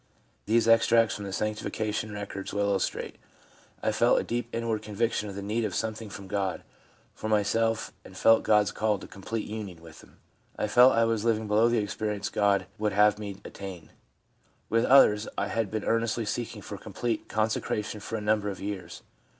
These extracts from the sancti fication records will illustrate :' I felt a deep inward conviction of the need of something from God for myself, and felt God's call to complete union with Him/ ' I felt I was living below the experience God would have me attain/ ' With others I had been earnestly seeking for complete consecration for a number of years.'